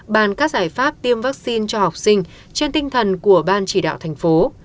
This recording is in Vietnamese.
bàn các giải pháp tiêm vaccine cho học sinh trên tinh thần của ban chỉ đạo thành phố